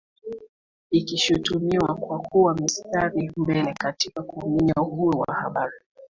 ikishutumiwa kwa kuwa msitari wa mbele katika kuminya uhuru wa Habari